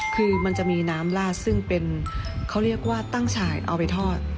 คือมันจะมีน้ำลาดซึ่งเป็นเขาเรียกว่าตั้งฉายเอาไปทอด